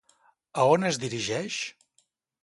A on es dirigeix?